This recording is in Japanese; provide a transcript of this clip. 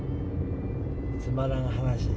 つまらん話。